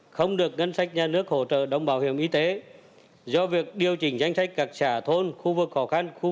không được ngân sách nhà nước hỗ trợ đóng bảo hiểm y tế do việc điều chỉnh danh sách các xã thôn khu vực khó khăn